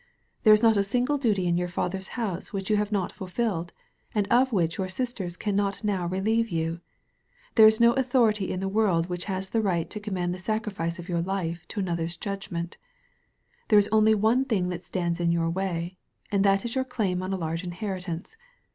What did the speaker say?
There is not a single duty in your father's house which you have not fulfilled, and of which your sisters can not now relieve you. There is no au thority in the world which has the right to com mand the sacrifice of your life to another's judgment. There is only one thing that stands in your way, and that is your claim on a large inheritance.